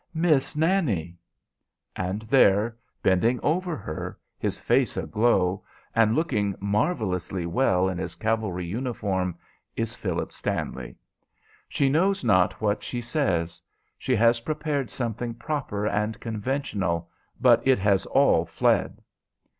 "Miss Nannie!" And there bending over her, his face aglow, and looking marvellously well in his cavalry uniform is Philip Stanley. She knows not what she says. She has prepared something proper and conventional, but it has all fled.